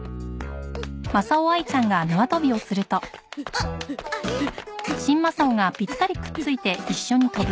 あっあっん？